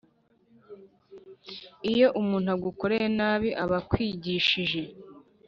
Iyo umuntu agukoreye nabi aba akwigishije.